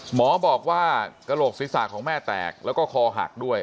หมอบอกว่ากระโหลกศีรษะของแม่แตกแล้วก็คอหักด้วย